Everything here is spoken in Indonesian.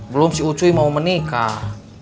belum si ucu mau menikah